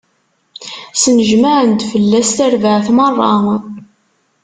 Snejmaɛen-d fell-as tarbaɛt meṛṛa.